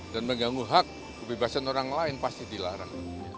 dan mengganggu hak kebebasan orang lain pasti dilarang